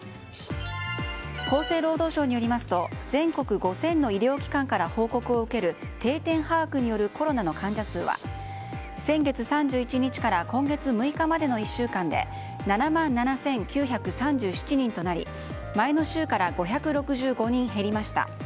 厚生労働省によりますと全国５０００の医療機関から報告を受ける定点把握によるコロナの患者数は先月３１日から今月６日までの１週間で７万７９３７人となり前の週から５６５人減りました。